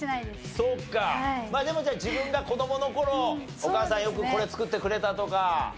でもじゃあ自分が子どもの頃お母さんよくこれ作ってくれたとか。